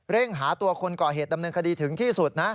หาตัวคนก่อเหตุดำเนินคดีถึงที่สุดนะ